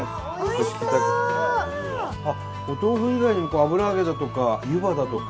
お豆腐以外にも油揚げだとか湯葉だとか。